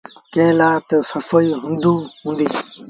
ڪݩهݩ لآ تا سسئي هُݩدو هُݩديٚ۔